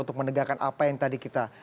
untuk menegakkan apa yang tadi kita